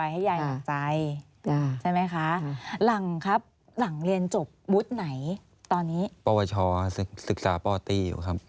หลังครับหลังเรียนจบวุฒิไหนตอนนี้